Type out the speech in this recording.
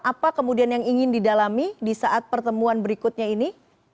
apa kemudian yang ingin didalami di saat pertemuan berikutnya ini